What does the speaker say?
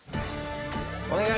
お願い！